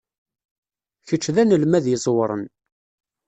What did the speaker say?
Kečč d anelmad iẓewren.